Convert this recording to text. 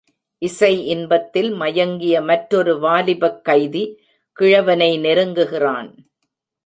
இசை இன்பத்தில் மயங்கிய மற்றொரு வாலிபக் கைதி கிழவனை நெருங்குகிறான்.